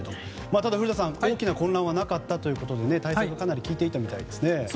ただ古田さん、大きな混乱はなかったということで対策がかなり効いていたみたいですね。